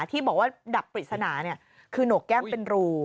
ที่บอกว่าดับปริศนาคือโหนกแก้มเป็นรู